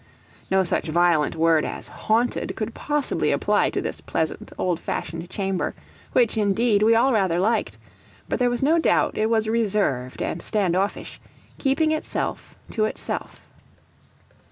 No such violent word as "haunted" could possibly apply to this pleasant old fashioned chamber, which indeed we all rather liked; but there was no doubt it was reserved and stand offish, keeping itself to itself.